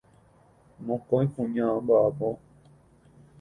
Mokõi kuña omba'apo.